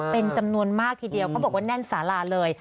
เป็นจำนวนมากทีเดียวเขาบอกว่าแน่นสาราเลย